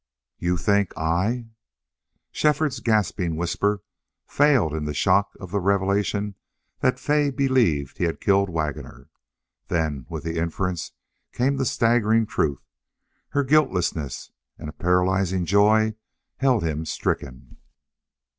"YOU THINK I " Shefford's gasping whisper failed in the shock of the revelation that Fay believed he had killed Waggoner. Then with the inference came the staggering truth her guiltlessness; and a paralyzing joy held him stricken.